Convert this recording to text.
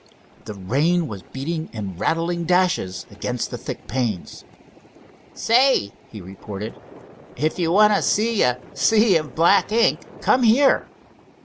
The rain was beating in rattling dashes against the thick panes. "Say," he reported, "if you want to see a sea of black ink, come here."